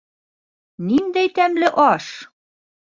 Ниндәй тәмле аш!